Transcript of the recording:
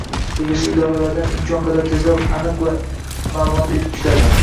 Tegishli idoralardan imkon qadar tezroq aniq va iy ma'lumot kutadi